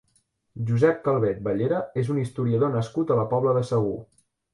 Josep Calvet Bellera és un historiador nascut a la Pobla de Segur.